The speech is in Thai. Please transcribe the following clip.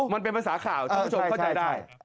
มันเป็นภาษาข่าวท่านผู้ชมเข้าใจได้